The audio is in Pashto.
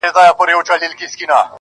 • يو څو د ميني افسانې لوستې.